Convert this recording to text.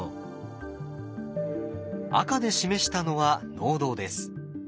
赤で示したのは農道です。